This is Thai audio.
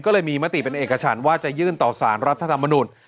ก็เลยมีมติเป็นเอกฉันว่าจะยื่นต่อสารรัฐธรรมนุน